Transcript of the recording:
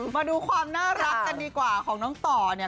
มาดูความน่ารักกันดีกว่าของน้องต่อเนี่ย